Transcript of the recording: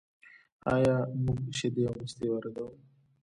آیا موږ شیدې او مستې واردوو؟